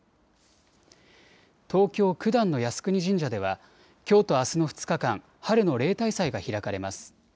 東京九段の靖国神社ではきょうとあすの２日間、春の例大祭が開かれます。